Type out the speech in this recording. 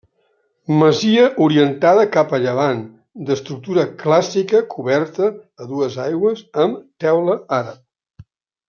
Masia orientada cap a llevant d'estructura clàssica coberta a dues aigües amb teula àrab.